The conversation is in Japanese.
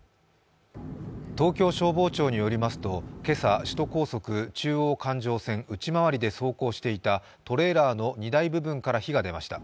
東京消防庁によりますと今朝、首都高速中央環状線内回りで走行していたトレーラーの荷台部分から火が出ました。